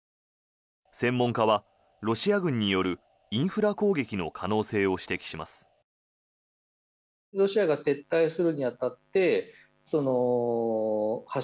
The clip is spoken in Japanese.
専門家はロシア軍によるインフラ攻撃の可能性を指摘します。